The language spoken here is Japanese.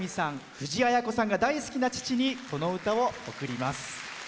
藤あや子さんが大好きな父にこの歌を贈ります。